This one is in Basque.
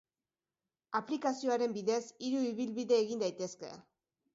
Aplikazioaren bidez, hiru ibilbide egin daitezke.